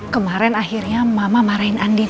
kemaren akhirnya mama marahin andien